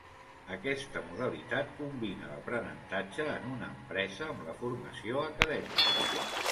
Aquesta modalitat combina l'aprenentatge en una empresa amb la formació acadèmica.